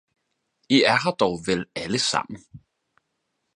– I er her dog vel alle sammen!